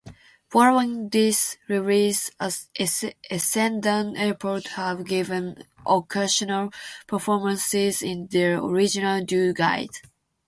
Following this release Essendon Airport have given occasional performances in their original duo guise.